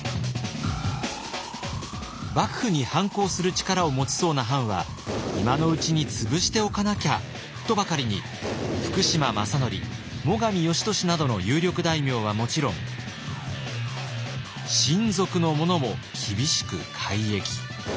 幕府に反抗する力を持ちそうな藩は今のうちに潰しておかなきゃとばかりに福島正則最上義俊などの有力大名はもちろん親族の者も厳しく改易。